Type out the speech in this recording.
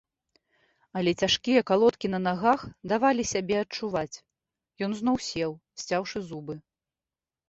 Але цяжкія калодкі на нагах давалі сябе адчуваць, ён зноў сеў, сцяўшы зубы.